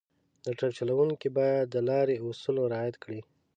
د ټرک چلونکي باید د لارې اصول رعایت کړي.